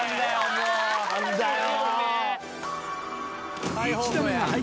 もう何だよ